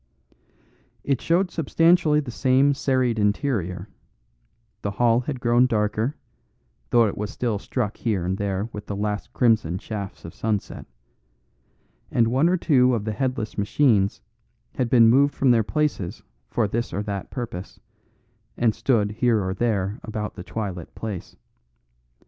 It showed substantially the same serried interior; the hall had grown darker, though it was still struck here and there with the last crimson shafts of sunset, and one or two of the headless machines had been moved from their places for this or that purpose, and stood here and there about the twilit place.